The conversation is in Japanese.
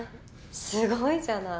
すごいじゃない。